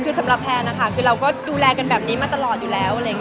คือสำหรับแพ้นะคะเราก็ดูแลกันแบบนี้มาตลอดอยู่แล้ว